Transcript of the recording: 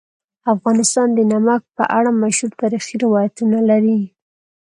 افغانستان د نمک په اړه مشهور تاریخی روایتونه لري.